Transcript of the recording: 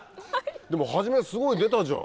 でも初めすごい出たじゃん。